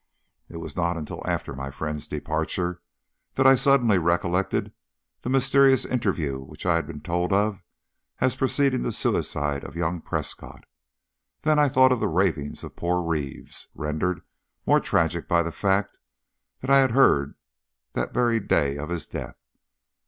It was not until after my friend's departure that I suddenly recollected the mysterious interview which I had been told of as preceding the suicide of young Prescott. Then I thought of the ravings of poor Reeves, rendered more tragic by the fact that I had heard that very day of his death.